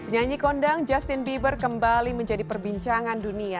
nyanyi kondang justin bieber kembali menjadi perbincangan dunia